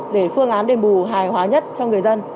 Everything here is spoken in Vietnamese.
để phương án đền bù hài hóa nhất cho người dân